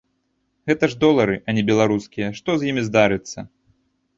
Гэта ж долары, а не беларускія, што з імі здарыцца?